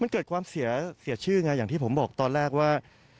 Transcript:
มันเกิดความเสียชื่อไงอย่างที่ผมบอกตอนแรกว่า